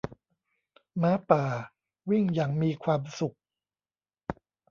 ม้าป่า วิ่งอย่างมีความสุข